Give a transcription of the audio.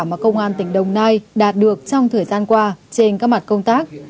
mà công an tỉnh đồng nai đạt được trong thời gian qua trên các mặt công tác